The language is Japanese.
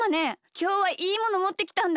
きょうはいいものもってきたんだ。